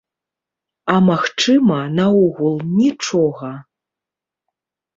А магчыма, наогул нічога.